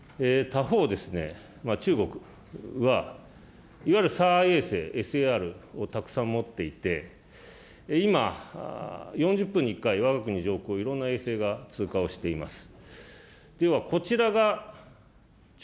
他方ですね、中国はいわゆるサー衛星・ＳＡＲをたくさん持っていて、今、４０分に１回、わが国上空をいろんな衛星が通過をしています。